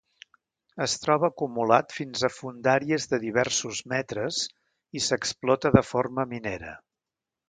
Es troba acumulat fins a fondàries de diversos metres i s'explota de forma minera.